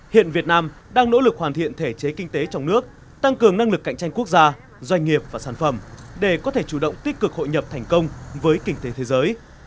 hiện việt nam đang nỗ lực hoàn thiện thể chế kinh tế trong nước tăng cường năng lực cạnh tranh quốc gia doanh nghiệp và sản phẩm để có thể chủ động tích cực hội nhập thành công với kinh tế thế giới